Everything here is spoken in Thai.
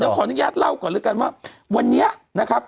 ขออนุญาตเล่าก่อนแล้วกันว่าวันนี้นะครับ